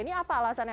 ini apa alasannya